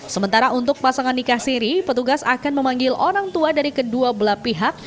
sementara untuk pasangan nikah siri petugas akan memanggil orang tua dari kedua belah pihak